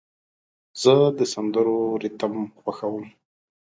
زه د سندرو ریتم خوښوم.